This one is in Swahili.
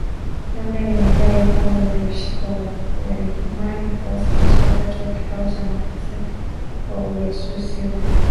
Rwanda imedai kwamba walioshikwa waliwahi kuwasilishwa wakati wa kikao cha maafisa wa ujasusi wa nchi hizo mwaka Elfu mbili ishirini na mbili